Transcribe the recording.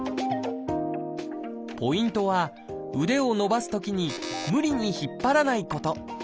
ポイントは腕を伸ばすときに無理に引っ張らないこと。